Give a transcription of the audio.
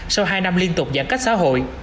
sau hai năm liên tục giãn cách xã hội